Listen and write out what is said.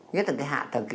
nhất là cái hạ thằng kia